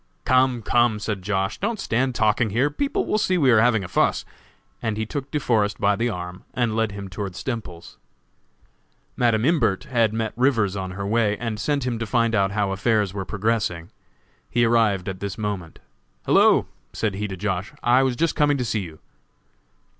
"Come, come!" said Josh., "don't stand talking here. People will see we are having a fuss." And he took De Forest by the arm and led him toward Stemples's. Madam Imbert had met Rivers on her way, and sent him to find out how affairs were progressing. He arrived at this moment. "Hello," said he to Josh., "I was just coming to see you."